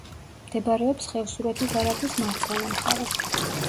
მდებარეობს ხევსურეთის არაგვის მარცხენა მხარეს.